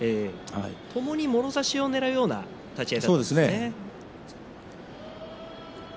ともにもろ差しをねらうような立ち合いでしたね。